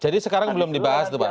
sekarang belum dibahas tuh pak